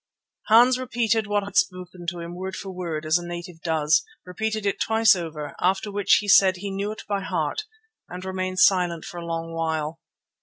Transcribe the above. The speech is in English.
Hans repeated what I had spoken to him word for word, as a native does, repeated it twice over, after which he said he knew it by heart and remained silent for a long while.